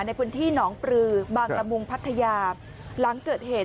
ในพื้นที่หนองปลือบางละมุงพัทยาหลังเกิดเหตุ